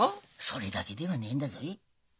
それだけではねえんだぞい。